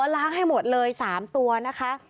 ล้างให้หมดเลย๓ตัวนะคะ